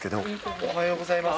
おはようございます。